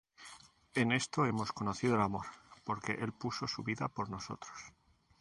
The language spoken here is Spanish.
En esto hemos conocido el amor, porque él puso su vida por nosotros: